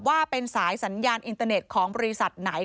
ว่าเป็นสายสัญญาณอินเตอร์เน็ตของบริษัทไหน